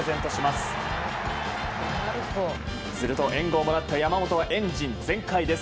すると援護をもらった山本はエンジン全開です。